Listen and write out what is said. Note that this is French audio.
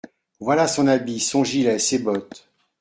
Voilà son habit, son gilet, ses bottes…